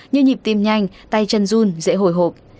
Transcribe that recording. như nhịp tim nhanh tay chân run dễ hồi hộp